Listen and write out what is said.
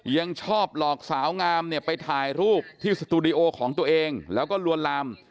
ยังชอบหลอกสาวงามเนี่ยไปถ่ายรูปที่สตูดิโอของตัวเองแล้วก็ลวนลาม